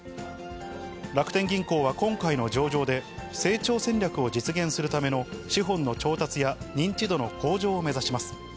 楽天銀行は今回の上場で、成長戦略を実現するための資本の調達や認知度の向上を目指します。